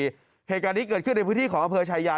เหตุการณ์นี้เกิดขึ้นในพื้นที่ของอำเภอชายา